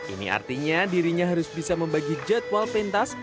ini artinya dirinya harus bisa membagi jadwal pentas